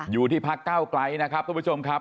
อยู่ที่พักเก้าไกลนะครับทุกผู้ชมครับ